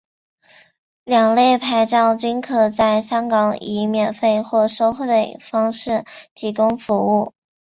两类牌照均可在香港以免费或收费方式提供服务。